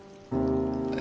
え